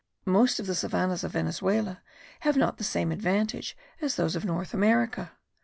Most of the savannahs of Venezuela have not the same advantage as those of North America.